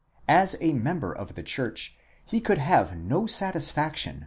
As a member of the church, he could have no satisfaction but in 8.